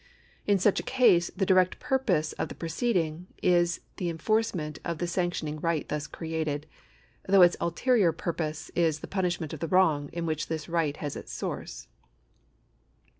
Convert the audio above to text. In such a case tlie direct purpose of the proceeding is the en forcement of the sanctioning right thus created, though its ulterior purpose is the punishment of the wrong in which this right has its source.